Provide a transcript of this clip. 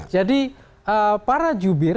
jadi para jubir